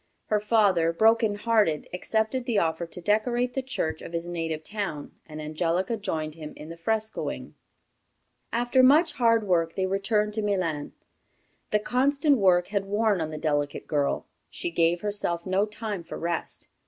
Her father, broken hearted, accepted the offer to decorate the church of his native town, and Angelica joined him in the frescoing. After much hard work, they returned to Milan. The constant work had worn on the delicate girl. She gave herself no time for rest.